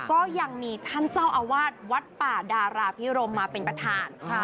ก็ยังมีท่านเจ้าอาวาสวัดป่าดาราพิรมมาเป็นประธาน